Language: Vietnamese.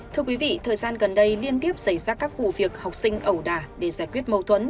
thưa quý vị thời gian gần đây liên tiếp xảy ra các vụ việc học sinh ẩu đà để giải quyết mâu thuẫn